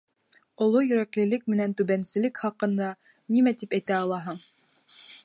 Оло йөрәклелек менән түбәнселек хаҡында нимә әйтә алаһың?